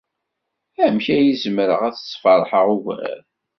Amek ay zemreɣ ad k-sfeṛḥeɣ ugar?